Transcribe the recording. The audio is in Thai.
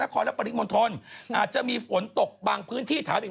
แค่นี้แหละเอาปืนโบราณ